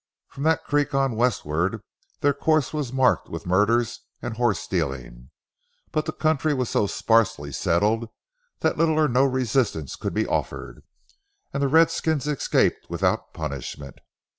From that creek on westward, their course was marked with murders and horse stealing, but the country was so sparsely settled that little or no resistance could be offered, and the redskins escaped without punishment.